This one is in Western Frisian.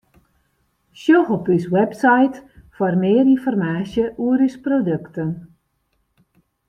Sjoch op ús website foar mear ynformaasje oer ús produkten.